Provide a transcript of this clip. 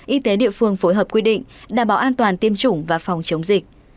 y tế địa phương phối hợp quy định đảm bảo an toàn tiêm chủng và phòng chống dịch